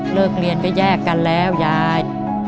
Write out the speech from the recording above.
เรียนก็แยกกันแล้วยาย